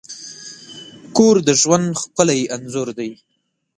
کور د ژوند ښکلی انځور دی.